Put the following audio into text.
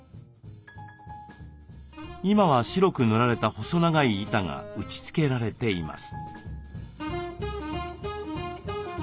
今は白く塗られた細長い板が打ちつけられています。